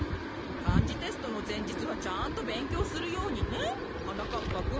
かんじテストのぜんじつはちゃんとべんきょうするようにねはなかっぱくん。